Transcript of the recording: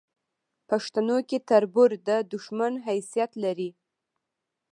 پښتنو کې تربور د دوشمن حیثت لري